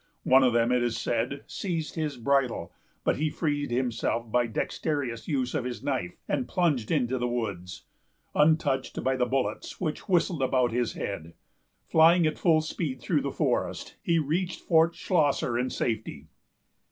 One of them, it is said, seized his bridle; but he freed himself by a dexterous use of his knife, and plunged into the woods, untouched by the bullets which whistled about his head. Flying at full speed through the forest, he reached Fort Schlosser in safety.